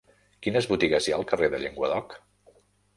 Quines botigues hi ha al carrer del Llenguadoc?